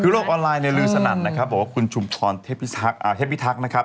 คือโลกออนไลน์เนี่ยลือสนั่นนะครับบอกว่าคุณชุมพรเทพพิทักษ์นะครับ